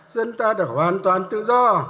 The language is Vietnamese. dân ta được hoàn toàn tự do